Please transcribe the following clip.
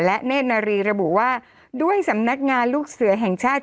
และเนธนารีระบุว่าด้วยสำนักงานลูกเสือแห่งชาติ